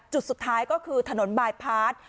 จุดสุดท้ายก็คือถนนบายพาร์ท